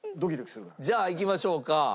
じゃあいきましょうか。